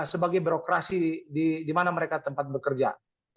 sebagai birokrasi di mana mereka tempat bekerja